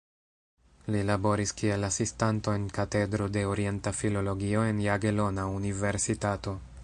Li laboris kiel asistanto en Katedro de Orienta Filologio en Jagelona Universitato.